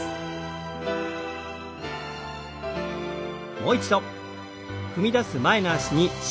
もう一度。